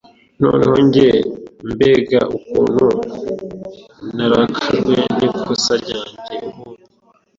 Noneho njye Mbega ukuntu narakajwe n'ikosa ryanjye ubu